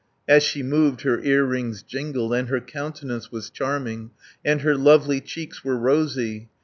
As she moved, her earrings jingled, And her countenance was charming, And her lovely cheeks were rosy.